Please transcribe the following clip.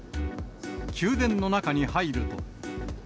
宮殿の中に入ると。